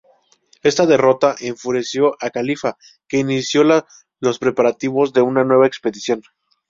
Esta derrota enfureció al califa, que inició los preparativos de una nueva expedición.